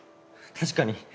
確かに。